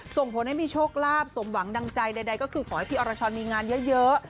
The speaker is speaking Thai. ส่งผลให้มีโชคลาภสมหวังดังใจใดก็คือขอให้พี่อรชรมีงานเยอะ